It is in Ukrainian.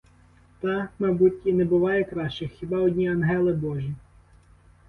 Та, мабуть, і не буває кращих — хіба одні ангели божі!